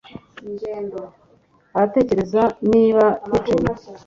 Uratekereza niba twicaye